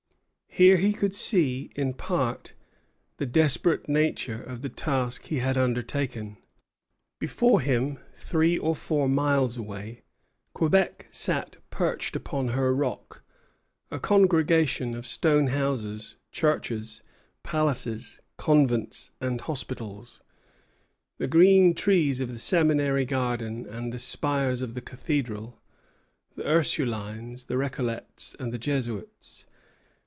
Here he could see, in part, the desperate nature of the task he had undertaken. Before him, three or four miles away, Quebec sat perched upon her rock, a congregation of stone houses, churches, palaces, convents, and hospitals; the green trees of the Seminary garden and the spires of the Cathedral, the Ursulines, the Recollets, and the Jesuits.